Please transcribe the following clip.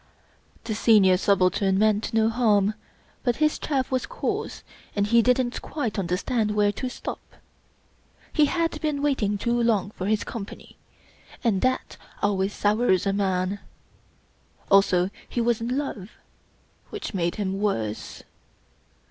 The Senior Subaltern meant no harm ; but his chaff was coarse, and he didn't quite un derstand where to stop. He had been waiting too long for his Company; and that always sours a man. Also he was in love, which made him worse.